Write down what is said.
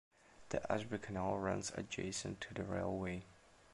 The Ashby Canal runs adjacent to the railway.